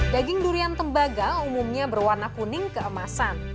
daging durian tembaga umumnya berwarna kuning keemasan